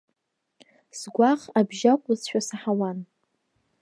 Сгәаӷ абжьы акәызшәа саҳауан.